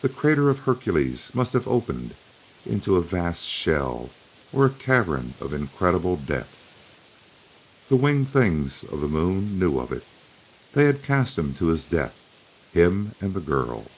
The crater of Hercules must have opened, into a vast shell or a cavern of incredible depth. The winged things of the Moon knew of it; they had cast him to his death him and the girl.